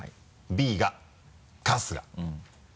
「Ｂ」が春日。